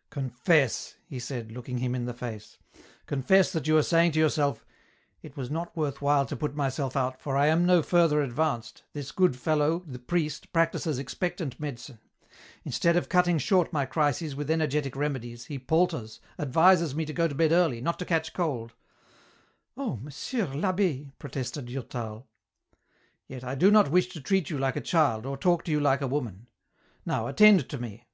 " Confess," he said, looking him in the face, " confess that you are saying to yourself, * It was not worth while to put myself out, for I am no further advanced, this good fellow, the priest, practises expectant medicine ; instead of cutting short my crises with energetic remedies, he palters, advises me to go to bed early, not to catch cold —'"" Oh, Monsieur I'Abb^," protested Durtal. " Yet I do not wish to treat you like a child, or talk to you like a woman ; now attend to me